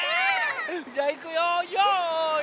じゃいくよよい。